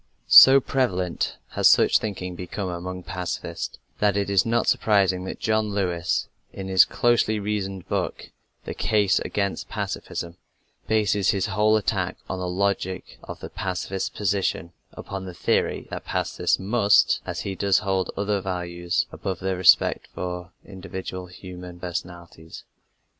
So prevalent has such thinking become among pacifists, that it is not surprising that John Lewis, in his closely reasoned book, The Case Against Pacifism, bases his whole attack on the logic of the pacifist position upon the theory that pacifists must, as he does, hold other values above their respect for individual human personalities.